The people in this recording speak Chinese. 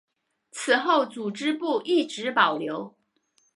此后组织部一直保留。